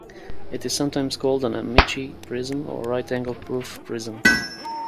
It is sometimes called an Amici prism or right angle roof prism.